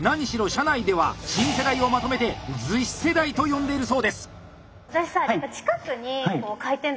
社内では新世代をまとめて「厨子世代」と呼んでいるそうです。